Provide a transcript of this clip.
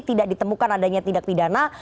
tidak ditemukan adanya tindak pidana